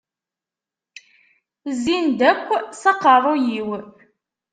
Zzin-d akk s aqaṛṛuy-iw.